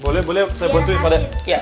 boleh boleh saya bantuin pade